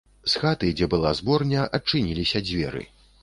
З хаты, дзе была зборня, адчыніліся дзверы.